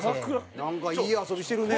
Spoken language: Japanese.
なんかいい遊びしてるね。